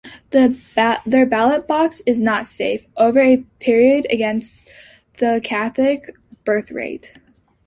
Their ballot box is not safe over a period against the Catholic birth-rate.